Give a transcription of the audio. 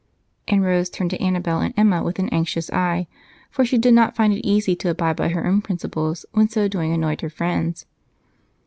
And Rose turned to Annabel and Emma with an anxious eye, for she did not find it easy to abide by her principles when so doing annoyed friends.